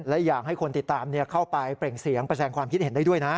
และอยากให้คนติดตามเข้าไปเปล่งเสียงไปแสงความคิดเห็นได้ด้วยนะ